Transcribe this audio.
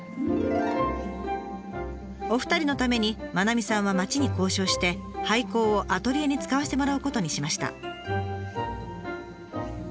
お二人のために愛さんは町に交渉して廃校をアトリエに使わせてもらうことにしました。